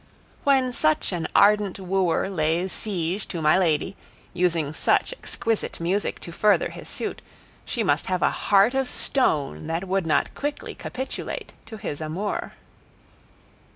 When such an ardent wooer lays siege to my lady, using such exquisite music to further his suit, she must have a heart of stone that would not quickly capitulate to his amour.